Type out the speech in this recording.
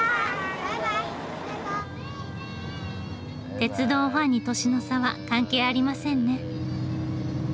鉄道ファンに年の差は関係ありませんね。